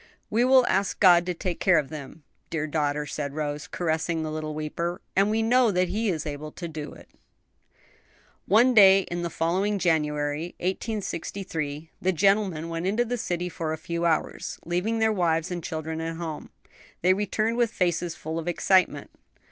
"We will ask God to take care of them, dear daughter," said Rose, caressing the little weeper, "and we know that He is able to do it." One day in the following January 1863 the gentlemen went into the city for a few hours, leaving their wives and children at home. They returned with faces full of excitement.